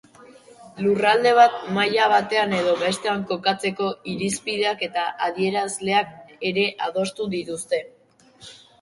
Lurralde bat maila batean edo bestean kokatzeko irizpideak eta adierazleak ere adostu dituzte.